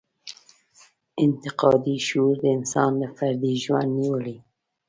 انتقادي شعور د انسان له فردي ژوند نېولې.